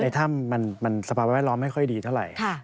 ถ้ำมันสภาพแวดล้อมไม่ค่อยดีเท่าไหร่